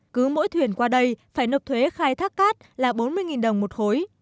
cứ mỗi thuyền qua đây phải nộp thuế khai thác cát là bốn mươi đồng một khối